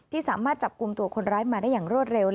สามารถจับกลุ่มตัวคนร้ายมาได้อย่างรวดเร็ว